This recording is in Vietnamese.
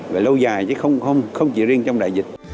về lâu dài chứ không chỉ riêng trong đại dịch